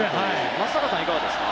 松坂さんはいかがですか？